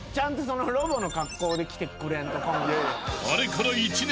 あれから１年。